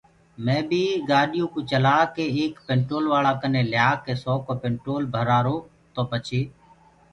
مي بي گآڏيو ڪوُ چلآڪي ايڪ پينٽولوآݪآ ڪني ليآڪي سو ڪو پينٽول ڀرآرو تو پڇي